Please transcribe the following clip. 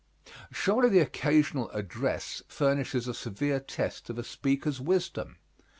Surely the occasional address furnishes a severe test of a speaker's wisdom.